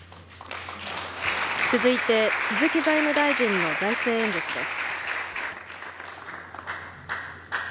続いて、鈴木財務大臣の財政演説です。